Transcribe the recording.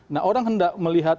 nah orang hendak melihat